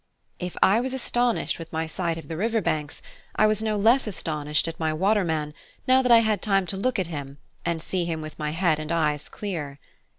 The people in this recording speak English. If I was astonished with my sight of the river banks, I was no less astonished at my waterman, now that I had time to look at him and see him with my head and eyes clear.